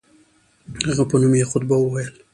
هغه په نوم یې خطبه وویل.